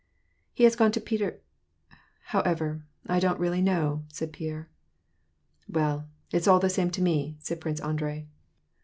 " He has gone to Peter — However, I don't really know," said Pierre. "Well, it's all the same to me," said Prince Andrei. "As WAR AND PEACE.